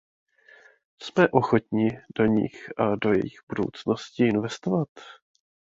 Jsme ochotni do nich a do jejich budoucnosti investovat?